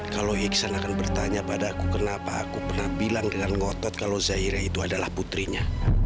kalau iksan akan bertanya pada aku kenapa aku pernah bilang dengan ngotot kalau zaire itu adalah putrinya